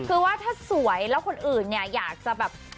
คือว่าถ้าสวยแล้วคนอื่นเนี่ยอยากจะแบบ